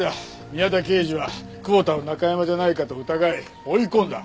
宮田刑事は久保田をナカヤマじゃないかと疑い追い込んだ。